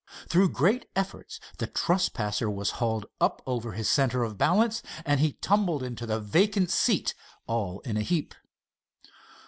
Through great efforts the trespasser was hauled up over his center of balance, and he tumbled into the vacant seat all in a heap.